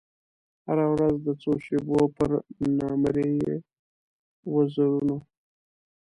هره ورځ د څو شېبو پر نامریي وزرونو